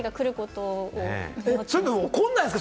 怒らないんですか？